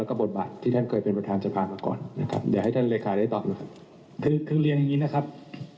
แล้วก็อย่างที่บอกถ้าอาจหมดในประกันประชุมทรัพย์